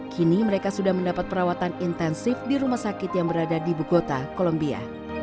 kini mereka sudah mendapat perawatan intensif di rumah sakit yang berada di bukota kolombia